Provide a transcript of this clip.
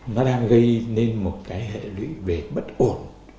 nó đang gây nên một cái hệ lụy về bất ổn